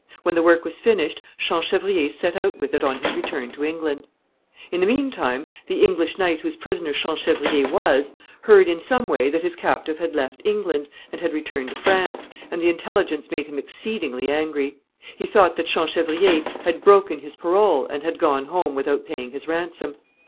When the work was finished, Champchevrier set out with it on his return to England. [Sidenote: Champchevrier in danger.] In the mean time, the English knight whose prisoner Champchevrier was, heard in some way that his captive had left England, and had returned to France, and the intelligence made him exceedingly angry. He thought that Champchevrier had broken his parole and had gone home without paying his ransom.